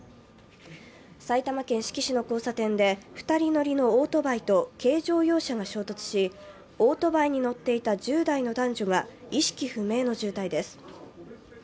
埼玉県志木市の交差点で２人乗りのオートバイと軽乗用車が衝突し、オートバイに乗っていた１０代の男女が意識不明の重体です。